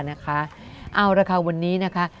เอาละค่ะวันนี้นะคะ